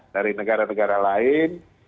dari negara negara lain